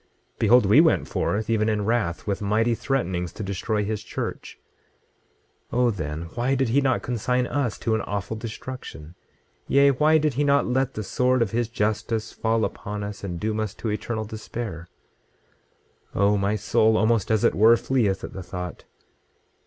26:18 Behold, we went forth even in wrath, with mighty threatenings to destroy his church. 26:19 Oh then, why did he not consign us to an awful destruction, yea, why did he not let the sword of his justice fall upon us, and doom us to eternal despair? 26:20 Oh, my soul, almost as it were, fleeth at the thought.